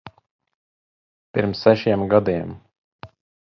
Pirms sešiem gadiem.